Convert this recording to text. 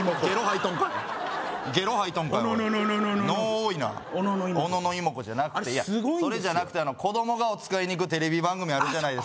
多いな小野妹子じゃなくてそれじゃなくて子供がおつかいに行くテレビ番組あるじゃないですか